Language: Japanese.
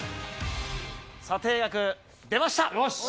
査定額、出ました。